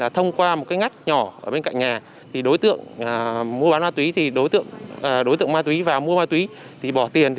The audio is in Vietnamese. thông qua một cái ngắt nhỏ ở bên cạnh nhà đối tượng mua bán ma túy đối tượng ma túy và mua ma túy bỏ tiền